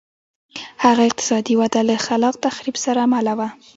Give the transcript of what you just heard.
هغه اقتصادي وده له خلاق تخریب سره مله وه.